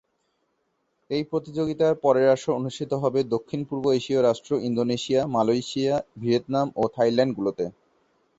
এই প্রতিযোগিতার পরের আসর অনুষ্ঠিত হবে দক্ষিণ পূর্ব এশীয় রাষ্ট্র ইন্দোনেশিয়া, মালয়েশিয়া, ভিয়েতনাম ও থাইল্যান্ড গুলোতে।